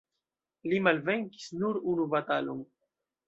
Li malvenkis nur unu batalon.